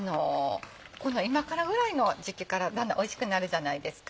この今からぐらいの時期からだんだんおいしくなるじゃないですか。